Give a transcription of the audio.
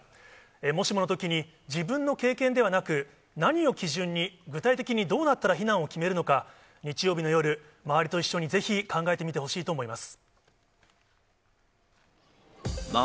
もしものときに、自分の経験ではなく、何を基準に、具体的にどうなったら避難を決めるのか、日曜日の夜、周りと一緒にぜひ考えてみてほしいと思います。